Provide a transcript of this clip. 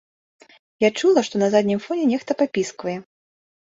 Я чула, што на заднім фоне нехта папісквае.